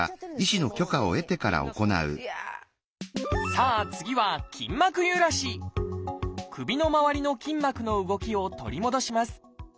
さあ次は首のまわりの筋膜の動きを取り戻します